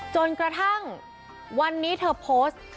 จนกระทั่งวันนี้เธอโพสต์